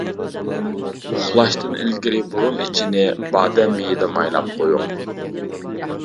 ئۇخلاشتىن ئىلگىرى بۇرۇن ئىچىنى بادام مېيىدا مايلاپ قويۇڭ.